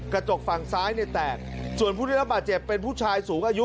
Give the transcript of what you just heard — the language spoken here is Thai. กระจกฝั่งซ้ายเนี่ยแตกส่วนผู้ได้รับบาดเจ็บเป็นผู้ชายสูงอายุ